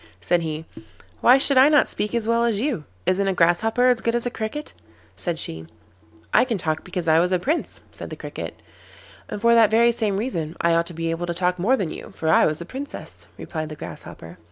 said he. 'Why should I not speak as well as you? Isn't a Grasshopper as good as a Cricket?' said she. 'I can talk because I was a Prince,' said the Cricket. 'And for that very same reason I ought to be able to talk more than you, for I was a Princess,' replied the Grasshopper.